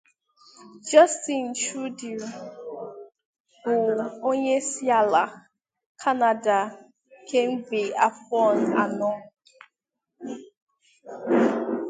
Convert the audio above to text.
Justin Trudeau bụ onye isi ala Kanada kemgbe afọ anọ